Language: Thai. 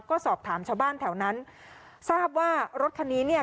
ก็สอบถามชาวบ้านแถวนั้นทราบว่ารถคันนี้เนี่ย